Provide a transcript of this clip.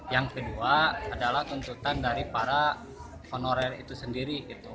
yang kedua adalah tuntutan dari para honorer itu sendiri